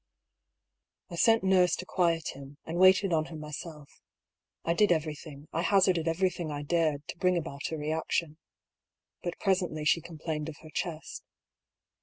I sent Nurse to quiet him, and waited on her myself. I did everything, I hazarded everything I dared, to bring about a reaction. But presently she complained of her chest.